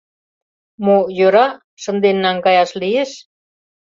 — Мо, йӧра... шынден наҥгаяш лиеш...